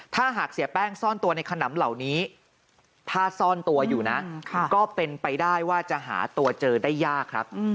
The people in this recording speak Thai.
ถ้าหากเสียแป้งซ่อนตัวในขนำเหล่านี้ถ้าซ่อนตัวอยู่นะก็เป็นไปได้ว่าจะหาตัวเจอได้ยากครับ